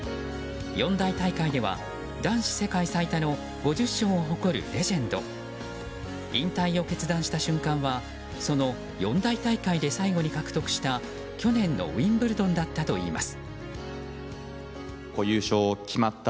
四大大会では男子世界最多の５０勝を誇るレジェンド。引退を決断した瞬間はその四大大会の最後で獲得した去年のウィンブルドンだったといいます。